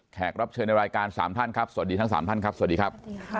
รับเชิญในรายการ๓ท่านครับสวัสดีทั้ง๓ท่านครับสวัสดีครับ